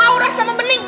aura sama bening